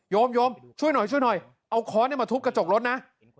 โยมโยมช่วยหน่อยช่วยหน่อยเอาค้อนมาทุบกระจกรถนะ